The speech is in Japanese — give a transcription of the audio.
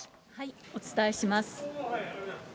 お伝えします。